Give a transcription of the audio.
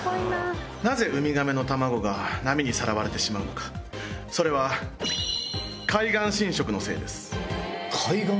なぜウミガメの卵が波にさらわれてしまうのか、それは海岸浸食のせいです。